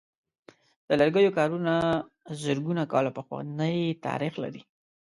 د لرګیو کارونه زرګونه کاله پخوانۍ تاریخ لري.